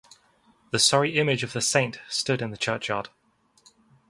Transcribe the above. The sorry image of the saint stood in the churchyard.